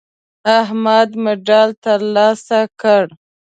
احمد مډال ترلاسه کړ.